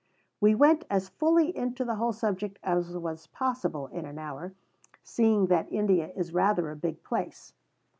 We went as fully into the whole subject as was possible in an hour, seeing that India is rather a big place."